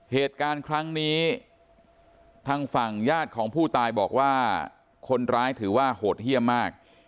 เหตุการณ์ครั้งนี้ทางฝั่งญาติของผู้ตายบอกว่าคนร้ายถือว่าโหดเยี่ยมมาก